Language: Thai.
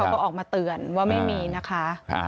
ก็ออกมาเตือนว่าไม่มีนะคะ